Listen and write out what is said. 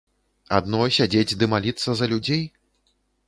Адно сядзець ды маліцца за людзей?